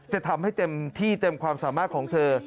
จะทำให้เต็มที่เต็มความสามารถของเธอ